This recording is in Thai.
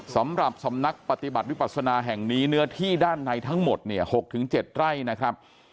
สำหรับสำนักปฏิบัติวิปัสนาแห่งนี้เนื้อที่ด้านในทั้งหมดเนี่ย๖๗ไร่นะครับ